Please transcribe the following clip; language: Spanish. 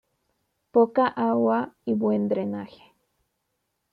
Poca agua y buen drenaje.